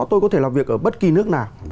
tôi có thể làm việc ở bất kỳ nước nào